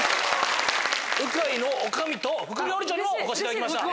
うかいの女将と副料理長にもお越しいただきました。